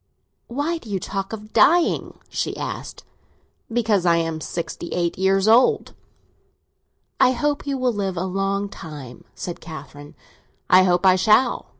"Why do you talk about your dying?" she asked. "Because I am sixty eight years old." "I hope you will live a long time," said Catherine. "I hope I shall!